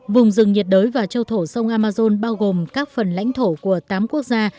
vùng rừng nhiệt đới và châu thổ sông amazon bao gồm các phần lãnh thổ của tám quốc gia